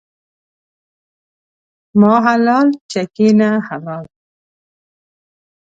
ما حلال ، چکي نه حلال.